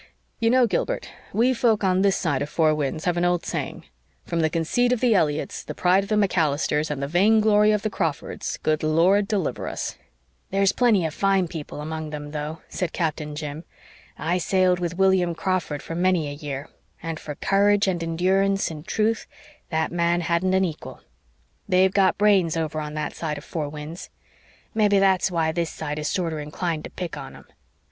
"You know, Gilbert, we folk on this side of Four Winds have an old saying 'From the conceit of the Elliotts, the pride of the MacAllisters, and the vainglory of the Crawfords, good Lord deliver us.'" "There's a plenty of fine people among them, though," said Captain Jim. "I sailed with William Crawford for many a year, and for courage and endurance and truth that man hadn't an equal. They've got brains over on that side of Four Winds. Mebbe that's why this side is sorter inclined to pick on 'em.